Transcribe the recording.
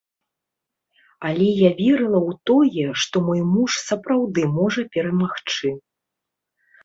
Але я верыла ў тое, што мой муж сапраўды можа перамагчы.